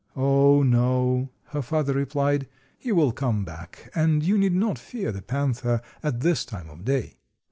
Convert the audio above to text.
"Oh, no," her father replied; "he will come back, and you need not fear the panther at this time of day."